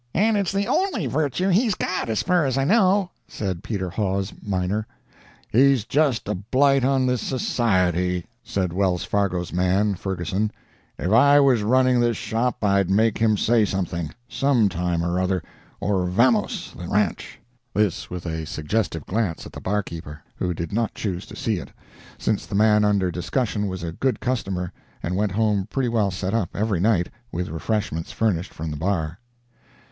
"And it's the only virtue he's got, as fur as I know," said Peter Hawes, miner. "He's just a blight on this society," said Wells Fargo's man, Ferguson. "If I was running this shop I'd make him say something, some time or other, or vamos the ranch." This with a suggestive glance at the barkeeper, who did not choose to see it, since the man under discussion was a good customer, and went home pretty well set up, every night, with refreshments furnished from the bar.